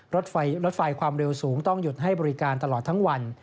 รถไฟความเร็วสูงต้องหยุดให้บริการตลอดทั้งวัน